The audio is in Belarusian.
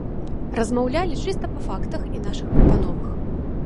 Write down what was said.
Размаўлялі чыста па фактах і нашых прапановах.